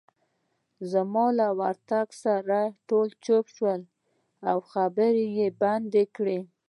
زما له ورتګ سره ټول چوپ شول، او خبرې يې بندې کړې.